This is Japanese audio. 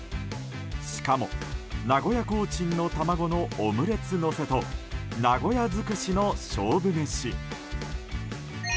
しかも、名古屋コーチンの卵のオムレツのせと名古屋尽くしの勝負メシ。